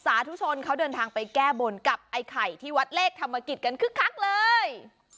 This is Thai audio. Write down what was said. สาธุชนเขาเดินทางไปแก้บนกับไอ้ไข่ที่วัดเลขธรรมกิจกันคึกคักเลย